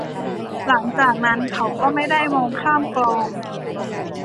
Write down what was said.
หลังจากนั้นเขาก็ไม่ได้มองข้ามกลอง